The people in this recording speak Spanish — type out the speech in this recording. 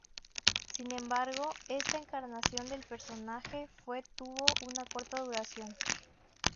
Sin embargo, esta encarnación del personaje fue tuvo una corta duración.